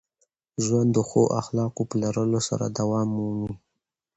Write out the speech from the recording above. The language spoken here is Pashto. ژوند د ښو اخلاقو په لرلو سره دوام مومي.